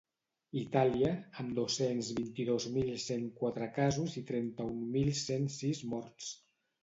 Itàlia, amb dos-cents vint-i-dos mil cent quatre casos i trenta-un mil cent sis morts.